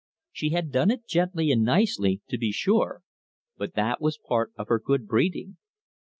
She had done it gently and nicely, to be sure, but that was part of her good breeding.